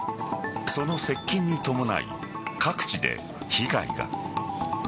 その接近に伴い、各地で被害が。